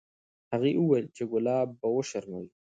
هغې وویل چې ګلاب به وشرموي.